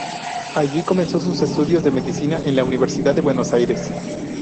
Allí comenzó sus estudios de medicina en la Universidad de Buenos Aires.